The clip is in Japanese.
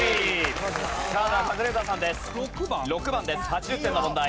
８０点の問題。